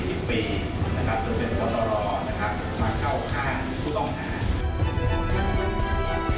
จนเป็นก็ตลอดมาเข้าค้างต้องหา